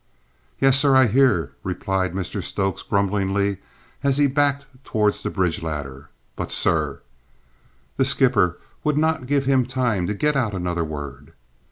"Yes, sir, I hear," replied Mr Stokes grumblingly as he backed towards the bridge ladder. "But, sir " The skipper would not give him time to get out another word.